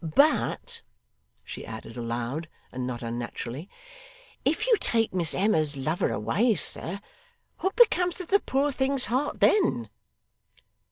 But,' she added aloud, and not unnaturally, 'if you take Miss Emma's lover away, sir, what becomes of the poor thing's heart then?